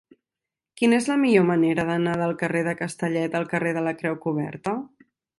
Quina és la millor manera d'anar del carrer de Castellet al carrer de la Creu Coberta?